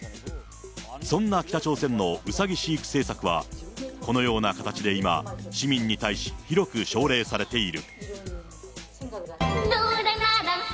そんな北朝鮮のうさぎ飼育政策は、このような形で今、市民に対し広く奨励されている。